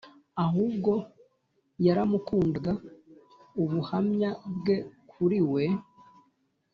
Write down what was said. ahubwo yaramukundaga. ubuhamya bwe kuri we